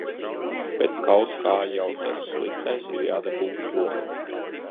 Bet kaut kā jau tas sliktais ir jādabū prom...